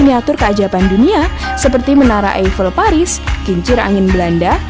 dan miniatur keajaiban dunia seperti menara eiffel paris kincir angin belanda